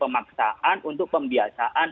maksaan untuk pembiasaan